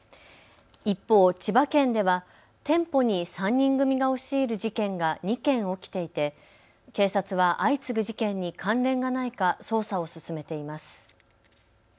一方、千葉県では店舗に３人組が押し入る事件が２件起きていて警察は相次ぐ事件に関連がないか捜査を進めています。